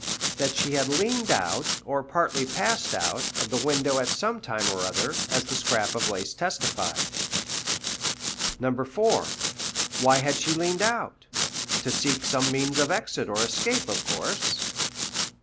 That she had leaned out, or partly passed out, of the window at some time or other, as the scrap of lace testified. 4. Why had she leaned out? To seek some means of exit or escape, of course.